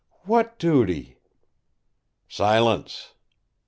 "What duty?" "Silence!"